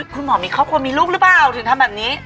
คุณหมอมีครอบครัวมีลูกหรือเปล่าถึงทำแบบนี้